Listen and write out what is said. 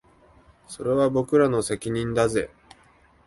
それは僕らの責任だぜ